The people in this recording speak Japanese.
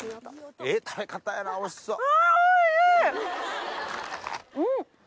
ええ食べ方やなおいしそう。